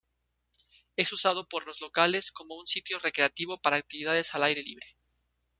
Es usado por los locales como un sitio recreativo para actividades al aire libre